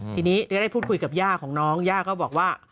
ทีนี้ได้พูดคุยกับย่าของน้องย่าก็บอกว่า